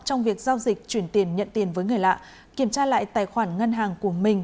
trong việc giao dịch chuyển tiền nhận tiền với người lạ kiểm tra lại tài khoản ngân hàng của mình